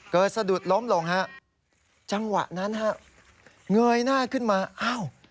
เกิดสะดุดล้มลงจังหวะนั้นเงยหน้าขึ้นมา